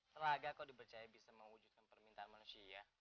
selaga kok dipercaya bisa mewujudkan permintaan manusia